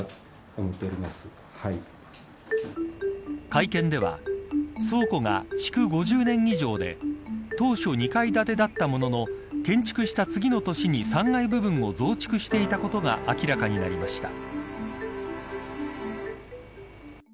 会見では、倉庫が築５０年以上で当初２階建てだったものの建築した次の年に３階部分を増築していたことが明らかになりました。